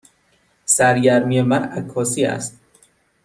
سرگرمی من عکاسی است.